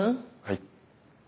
はい。